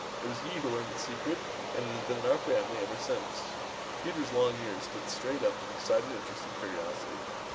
It was he who learned the secret, and it has been in our family ever since." Peter's long ears stood straight up with excited interest and curiosity.